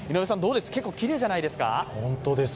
結構きれいじゃないですか？